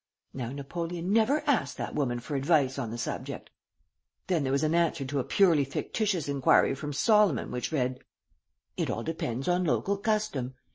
Now Napoleon never asked that woman for advice on the subject. Then there was an answer to a purely fictitious inquiry from Solomon which read: 'It all depends on local custom.